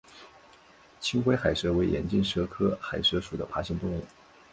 青灰海蛇为眼镜蛇科海蛇属的爬行动物。